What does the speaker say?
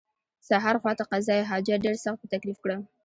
سهار خواته قضای حاجت ډېر سخت په تکلیف کړم.